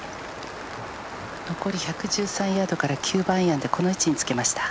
残り１１３ヤードから９番アイアンでこの位置につけました。